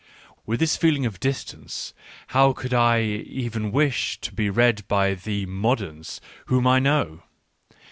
With this feeling of distance how could I even wish to be read by the " moderns " whom I know